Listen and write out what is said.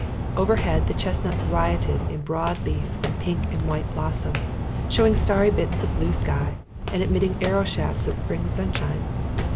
Overhead the chestnuts rioted in broad leaf and pink and white blossom, showing starry bits of blue sky and admitting arrow shafts of spring sunshine.